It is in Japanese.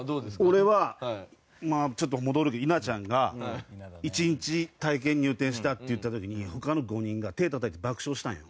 俺はまあちょっと戻るけど稲ちゃんが一日体験入店したって言った時に他の５人が手たたいて爆笑したんよ。